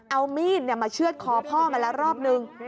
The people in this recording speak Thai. เอามีดมาเชื่อดคอพ่อมาแล้วรอบนึง